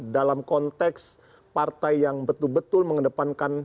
dalam konteks partai yang betul betul mengedepankan